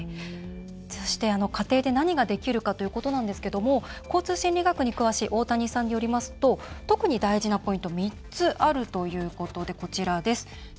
そして、家庭で何ができるかということですが交通心理学に詳しい大谷さんによりますと特に大事なポイント３つあるということです。